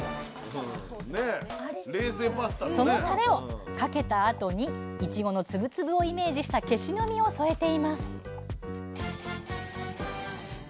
そのたれをかけたあとにいちごの粒々をイメージしたけしの実を添えています